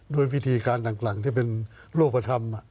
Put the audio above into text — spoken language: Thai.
ด้วยวิธีการต่างที่เป็นรูปธรรม